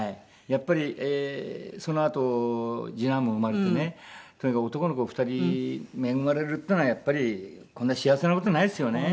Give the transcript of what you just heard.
やっぱりそのあと次男も生まれてねとにかく男の子２人恵まれるっていうのはやっぱりこんな幸せな事ないですよね。